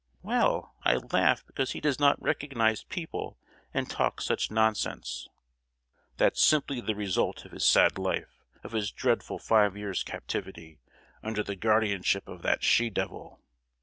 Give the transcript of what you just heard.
"Well, I laugh because he does not recognise people, and talks such nonsense!" "That's simply the result of his sad life, of his dreadful five years' captivity, under the guardianship of that she devil!